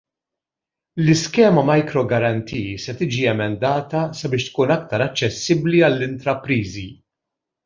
L-iskema Micro Guarantee se tiġi emendata sabiex tkun aktar aċċessibbli għall-intrapriżi.